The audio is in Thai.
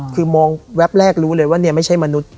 คือมองแวบแรกรู้เลยว่าเนี่ยไม่ใช่มนุษย์